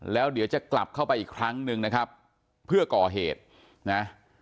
แล้วเดี๋ยวจะกลับเข้าไปอีกครั้งหนึ่งนะครับเพื่อก่อเหตุนะ